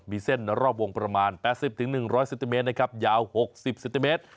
มีเส้นรอบวงประมาณ๘๐๑๐๐เซนติเมตรนะครับยาว๖๐เซนติเมตร